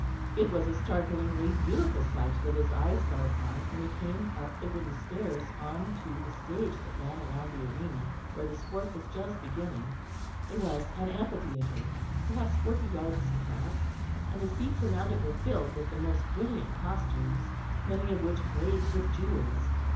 It was a startlingly beautiful sight that his eyes fell upon when he came up the wooden stairs on to the stage that ran round the arena where the sport was just beginning. It was an amphitheatre, perhaps forty yards across; and the seats round it were filled with the most brilliant costumes, many of which blazed with jewels.